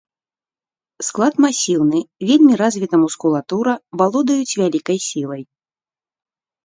Склад масіўны, вельмі развіта мускулатура, валодаюць вялікай сілай.